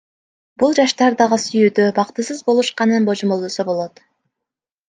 Бул жаштар дагы сүйүүдө бактысыз болушканын божомолдосо болот.